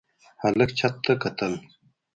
هلک چت ته کتل.